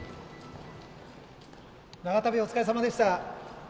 長旅、お疲れさまでした。